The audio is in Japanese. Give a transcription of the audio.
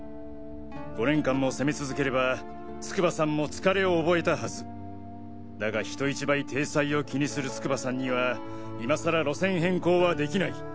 ５年間も攻め続ければ筑波さんも疲れを覚えたはずだが人一倍体裁を気にする筑波さんには今さら路線変更は出来ない。